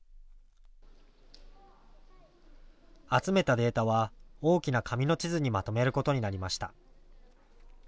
集めたデータは大きな紙の地図にまとめることになりました。